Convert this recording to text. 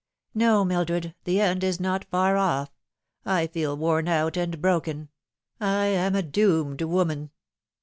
"No, Mildred, the end is not far off. I feel worn out and broken. I am a doomed woman."